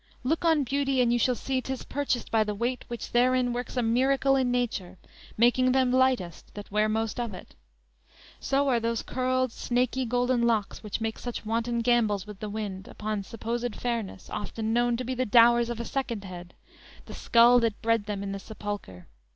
Look on beauty And you shall see 'tis purchased by the weight; Which therein works a miracle in nature, Making them lightest that wear most of it; So are those curled, snaky golden locks, Which make such wanton gambols with the wind Upon supposed fairness, often known To be the dowers of a second head; The scull that bred them in the sepulchre.